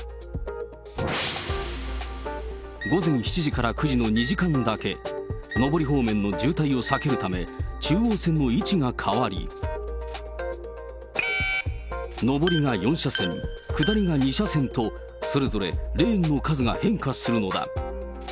午前７時から９時の２時間だけ、上り方面の渋滞を避けるため、中央線の位置が変わり、上りが４車線、下りが２車線とそれぞれレーンの数が変化するのだ。